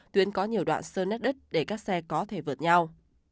tuyến có nhiều đoạn sơn nét đứt để các xe có thể vượt nhau